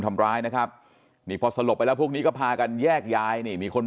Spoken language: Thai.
ทำร้ายนะครับนี่พอสลบไปแล้วพวกนี้ก็พากันแยกย้ายนี่มีคน